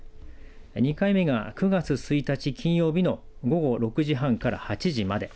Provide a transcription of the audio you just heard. ２回目が９月１日金曜日の午後６時半から８時まで。